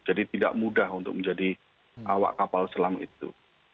jadi tidak mudah untuk menjadi awak kapal selam itu